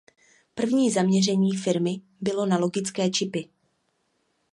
První zaměření firmy bylo na logické čipy.